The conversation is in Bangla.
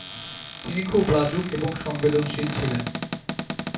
তিনি খুব লাজুক এবং সংবেদনশীল ছিলেন।